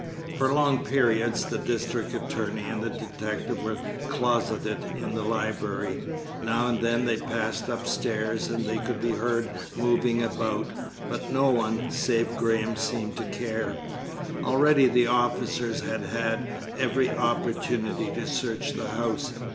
For long periods the district attorney and the detective were closeted in the library. Now and then they passed upstairs, and they could be heard moving about, but no one, save Graham, seemed to care. Already the officers had had every opportunity to search the house.